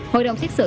hội đồng xét xử